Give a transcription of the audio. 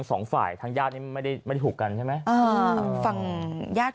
สองฝ่ายทางญาตินี้ไม่ได้ไม่ได้ถูกกันใช่ไหมอ่าฝั่งญาติ